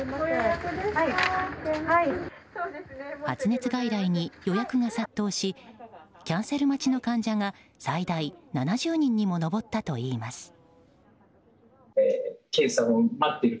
発熱外来に予約が殺到しキャンセル待ちの患者が最大７０人にも上ったといいます。